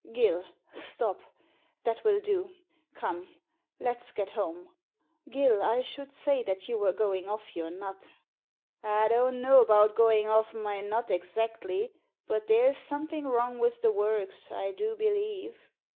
"Gill!— stop! That will do! Come, let's get home. Gill, I should say that you were going off your nut" "I don't know about going off my nut exactly, but there's something wrong with the works, I do believe."